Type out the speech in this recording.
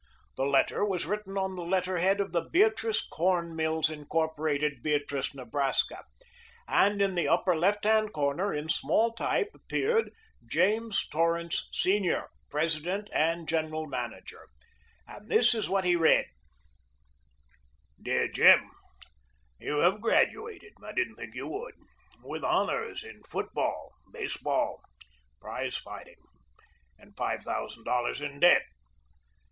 The letter was written on the letterhead of the Beatrice Corn Mills, Incorporated, Beatrice, Nebraska, and in the upper left hand corner, in small type, appeared "James Torrance, Sr., President and General Manager," and this is what he read: Dear Jim You have graduated I didn't think you would with honors in football, baseball, prize fighting, and five thousand dollars in debt.